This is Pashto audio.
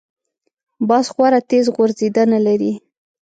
باز خورا تېز غورځېدنه لري